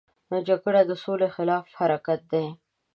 جګړه د سولې خلاف حرکت دی